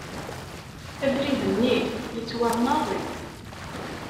Abrid-nni γettwaɣ maḍi.